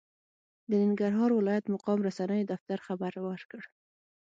د ننګرهار ولايت مقام رسنیو دفتر خبر ورکړ،